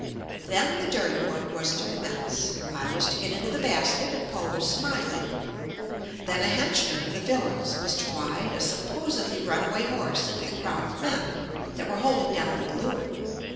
Then the dirty work was to com mence. I was to get into the basket and pose smiling. Then a henchman of the villain's was to ride a supposedly runaway horse into the crowd of men that were holding down the bal loon.